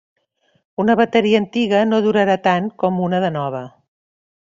Una bateria antiga no durarà tant com una de nova.